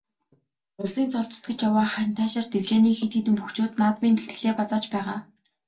Улсын цолд зүтгэж яваа Хантайшир дэвжээний хэд хэдэн бөхчүүд наадмын бэлтгэлээ базааж байгаа.